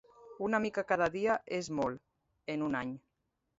Una mica cada dia és molt en un any.